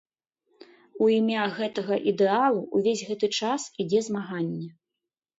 У імя гэтага ідэалу ўвесь гэты час ідзе змаганне.